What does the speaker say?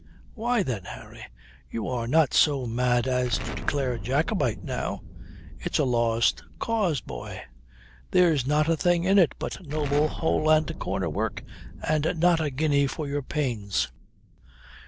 "Why then? Harry, you are not so mad as to declare Jacobite now? It's a lost cause, boy. There's not a thing in it but noble hole and corner work and not a guinea for your pains.